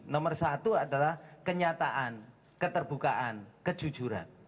nomor satu adalah kenyataan keterbukaan kejujuran